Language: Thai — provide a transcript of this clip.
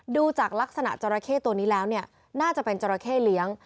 ดูจากลักษณะจราเข้ตัวนี้แล้วเนี่ยน่าจะเป็นจราเข้เลี้ยง